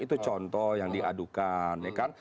itu contoh yang diadukan